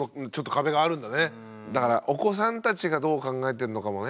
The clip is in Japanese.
だからお子さんたちがどう考えてんのかもね。